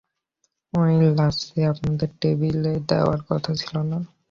ওই লাচ্চি আপনার টেবিলে দেওয়ার কথা ছিল না?